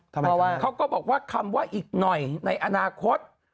เขาก็บอกว่าคำว่าอีกหน่อยในอนาคต